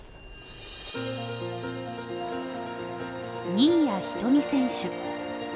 新谷仁美選手